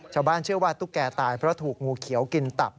ชาวบ้านเชื่อว่าตุ๊กแก่ตายเพราะถูกงูเขียวกินตับ